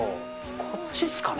こっちですかね。